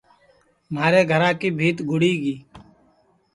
مھارے گھرا کی بھیت گُڑی گی